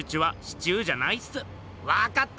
わかった！